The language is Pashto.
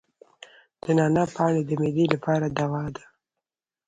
د نعناع پاڼې د معدې لپاره دوا ده.